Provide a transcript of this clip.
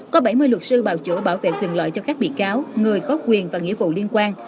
có bảy mươi luật sư bảo chữa bảo vệ quyền lợi cho các bị cáo người có quyền và nghĩa vụ liên quan